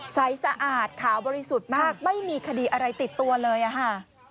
สะอาดขาวบริสุทธิ์มากไม่มีคดีอะไรติดตัวเลยอะค่ะ